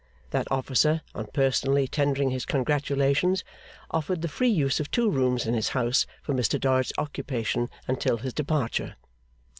That officer, on personally tendering his congratulations, offered the free use of two rooms in his house for Mr Dorrit's occupation until his departure.